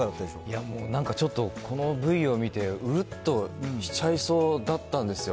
いやもう、なんかちょっと、このＶを見て、うるっときちゃいそうだったんですよ。